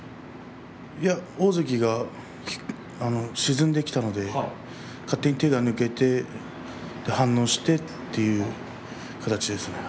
大関が沈んできたので勝手に手が出ていた反応しているという形です。